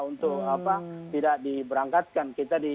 untuk tidak diberangkatkan